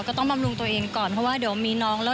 บำรุงตัวเองก่อนเพราะว่าเดี๋ยวมีน้องแล้ว